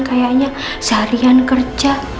kayaknya seharian kerja